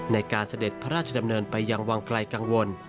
เสด็จพระราชดำเนินไปยังวังไกลกังวล